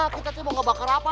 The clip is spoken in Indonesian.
kita mau ngebakar apa